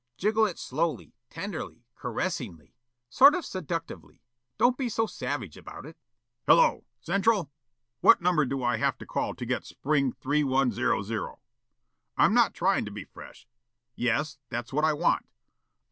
"Jiggle it slowly, tenderly, caressingly. Sort of seductively. Don't be so savage about it." "Hello! Central? What number do I have to call to get Spring 3100? ... I'm not trying to be fresh: ... Yes, that's what I want